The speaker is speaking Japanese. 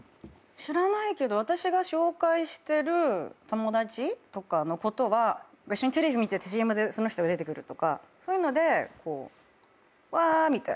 知らないけど私が紹介してる友達とかのことは一緒にテレビ見ててＣＭでその人が出てくるとかそういうので「わ」みたいになってる。